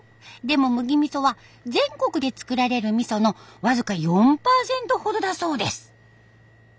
でも麦みそは全国で造られるみその僅か４パーセントほどだそうです。